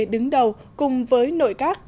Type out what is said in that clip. đứng đầu cùng với nội các